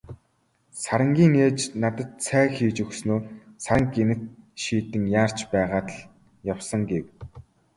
Сарангийн ээж надад цай хийж өгснөө "Саран гэнэт шийдэн яарч байгаад л явсан" гэв.